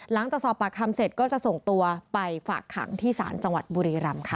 หลังจากสอบปากคำเสร็จก็จะส่งตัวไปฝากขังที่ศาลจังหวัดบุรีรำค่ะ